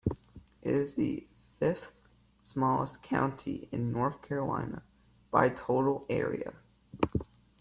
It is the fifth-smallest county in North Carolina by total area.